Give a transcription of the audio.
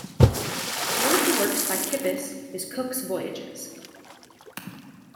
One of the works by Kippis is "Cook's Voyages".